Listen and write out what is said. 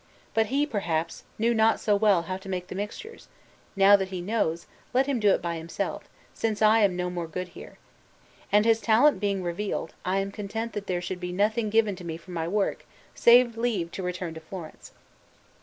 But he, perhaps, knew not so well how to make the mixtures; now that he knows, let him do it by himself, since I am no more good here. And his talent being revealed, I am content that there should be nothing given to me for my work save leave to return to Florence."